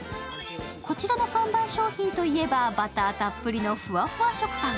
こちらの看板商品といえばバターたっぷりのふわふわ食パン。